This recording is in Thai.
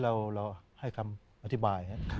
เราให้คำอธิบาย